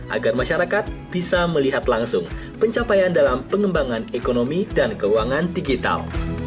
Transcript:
agar masyarakat bisa melihat langsung pencapaian dalam pengembangan ekonomi dan keuangan digital